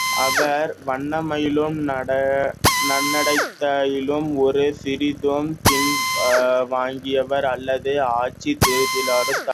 இவர் வன்மையிலும் நன்னடைத்தையிலும் ஒரு சிறுதும் பின்வாங்கியவர் அல்லர் ஆட்சித் திறத்திலும் தலைசிறந்தவர்.